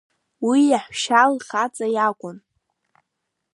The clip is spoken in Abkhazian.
Уи иаҳәшьа лхаҵа иакәын.